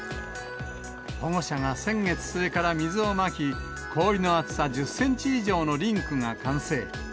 保護者が先月末から水をまき、氷の厚さ１０センチ以上のリンクが完成。